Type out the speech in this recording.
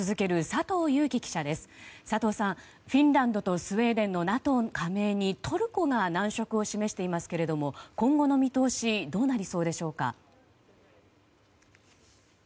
佐藤さん、フィンランドとスウェーデンのＮＡＴＯ加盟にトルコが難色を示していますけど今後の見通しどうなりそうでしょうか。